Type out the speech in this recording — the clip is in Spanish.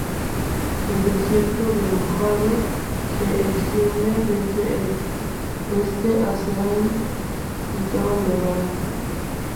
El desierto de Mojave se extiende desde el este hacia el estado de Nevada.